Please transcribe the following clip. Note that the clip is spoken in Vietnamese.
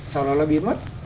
sau đó nó biến mất